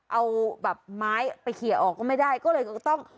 เอาแบบไม้ไปเคลียร์ออกก็ไม่ได้ก็เลยก็ต้อง